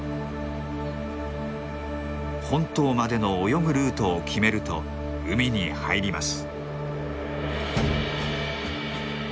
本島までの泳ぐルートを決めると海に入ります。